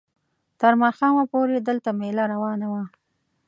تر ماښامه پورې دلته مېله روانه وه.